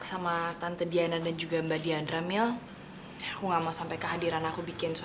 sampai jumpa di video selanjutnya